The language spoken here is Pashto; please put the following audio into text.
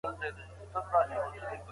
دودیزه لویه جرګه معمولا چېرته جوړیږي؟